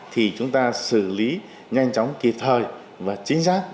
thì chúng ta xử lý nhanh chóng kịp thời và chính xác